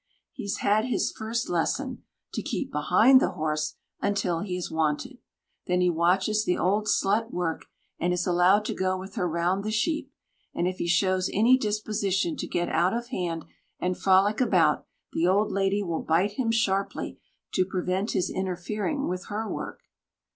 He has had his first lesson to keep behind the horse until he is wanted. Then he watches the old slut work, and is allowed to go with her round the sheep; and if he shows any disposition to get out of hand and frolic about, the old lady will bite him sharply to prevent his interfering with her work.